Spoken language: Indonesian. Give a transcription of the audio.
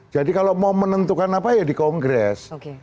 jadi kalau mau menentukan apa ya di kongres